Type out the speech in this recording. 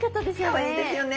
かわいいですよね。